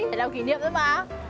để làm kỷ niệm nữa mà